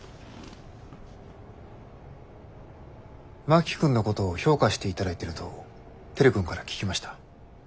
真木君のことを評価していただいてると照君から聞きました。